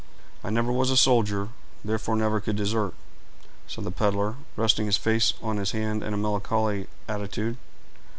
"I never was a soldier, therefore never could desert," said the peddler, resting his face on his hand in a melancholy attitude.